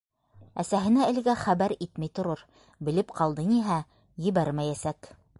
Әсәһенә әлегә хәбәр итмәй торор, белеп ҡалды ниһә, ебәрмәйәсәк.